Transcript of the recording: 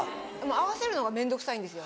合わせるのが面倒くさいんですよ。